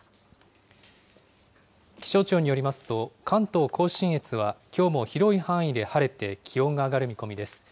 気象庁によりますと、関東甲信越はきょうも広い範囲で晴れて、気温が上がる見込みです。